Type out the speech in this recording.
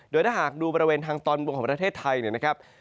โดยถ้าหากดูบริเวณทางตอนบนของประเทศไทยเนี่ยนะครับ